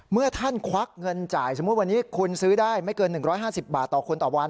เมื่อท่านควักเงินจ่ายสมมุติวันนี้คุณซื้อได้ไม่เกิน๑๕๐บาทต่อคนต่อวัน